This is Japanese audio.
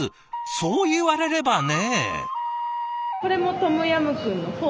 そう言われればね。